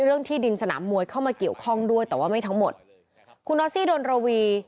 ที่ดินสนามมวยเข้ามาเกี่ยวข้องด้วยแต่ว่าไม่ทั้งหมดคุณออสซี่ดนระวี